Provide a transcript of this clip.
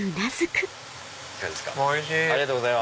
おいしい！